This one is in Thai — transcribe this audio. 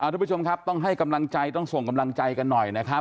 ทุกผู้ชมครับต้องให้กำลังใจต้องส่งกำลังใจกันหน่อยนะครับ